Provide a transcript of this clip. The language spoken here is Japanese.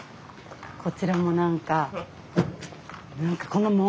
こちらも何か。